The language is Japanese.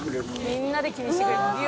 みんなで気にしてくれて。